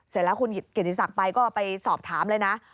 เสร็จแล้วคุณเกียรติศักดิ์ไปก็ไปสอบถามเลยนะ